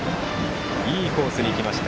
いいコースに来ました。